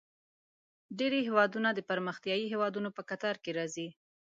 ډیری هیوادونه د پرمختیايي هیوادونو په کتار کې راځي.